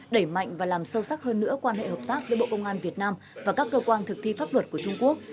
đẩy mạnh và làm sâu sắc hơn nữa quan hệ hợp tác giữa bộ công an việt nam và các cơ quan thực thi pháp luật của trung quốc